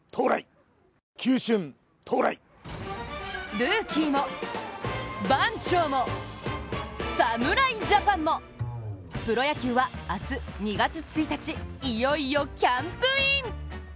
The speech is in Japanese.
ルーキーも、番長も、侍ジャパンも、プロ野球は明日２月１日、いよいよキャンプイン。